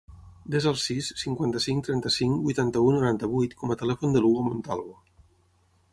Desa el sis, cinquanta-cinc, trenta-cinc, vuitanta-u, noranta-vuit com a telèfon de l'Hugo Montalvo.